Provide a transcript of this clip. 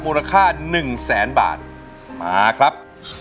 มูลค่าหนึ่งแสนบาทมาครับ